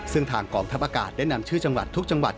ซึ่งทางกองทัพอากาศได้นำชื่อจังหวัดทุกจังหวัด